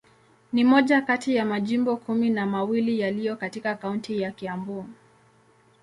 Ni moja kati ya majimbo kumi na mawili yaliyo katika kaunti ya Kiambu.